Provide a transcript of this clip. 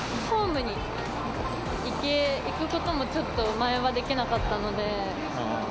ホームに行くこともちょっと、前はできなかったので。